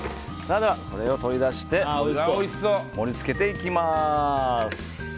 これを取り出して盛り付けていきます。